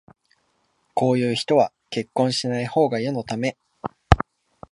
こういう人は結婚しないほうが世のため